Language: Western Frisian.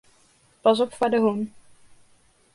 Pas op foar de hûn.